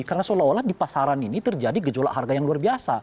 karena seolah olah di pasaran ini terjadi gejolak harga yang luar biasa